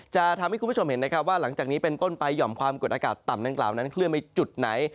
จะทำให้คุณผู้ชมเห็นนะครับว่าหลังจากนี้เป็นต้นไปหย่อมความกดอากาศต่ำดังกล่าวนั้นเคลื่อนไปจุดไหน